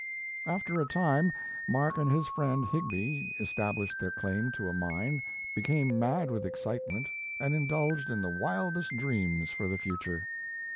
After a time, Mark and his friend Higbie established their claim to a mine, became mad with excitement, and indulged in the wildest dreams for the future.